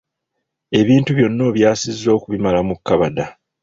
Ebintu byonna obyasizza okubimala mu kkabada.